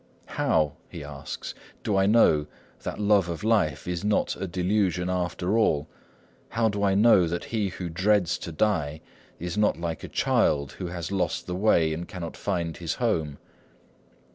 "How," he asks, "do I know that love of life is not a delusion after all? How do I know that he who dreads to die is not like a child who has lost the way, and cannot find his home?